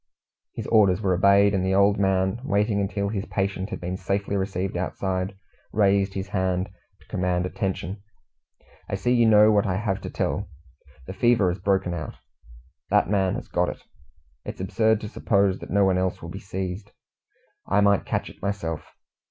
His orders were obeyed, and the old man, waiting until his patient had been safely received outside, raised his hand to command attention. "I see you know what I have to tell. The fever has broken out. That man has got it. It is absurd to suppose that no one else will be seized. I might catch it myself.